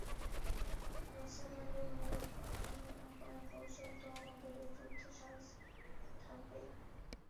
মুসলমানদের মূলোৎপাটন না করা পর্যন্ত আমাদের এ যুদ্ধসাজ থাকবেই।